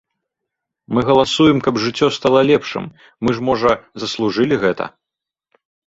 Мы галасуем, каб жыццё стала лепшым, мы ж, можа, заслужылі гэта?